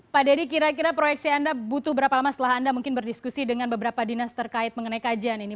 pak dedy kira kira proyeksi anda butuh berapa lama setelah anda mungkin berdiskusi dengan beberapa dinas terkait mengenai kajian ini